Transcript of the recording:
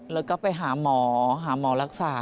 แล้วก็ไปหาหมอหาหมอรักษา